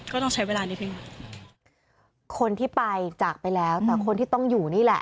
ก็ต้องใช้เวลานิดนึงคนที่ไปจากไปแล้วแต่คนที่ต้องอยู่นี่แหละ